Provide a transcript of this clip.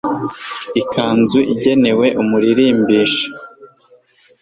ikanzu igenewe umuririmbisha